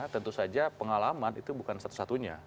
tentu saja pengalaman itu bukan satu satunya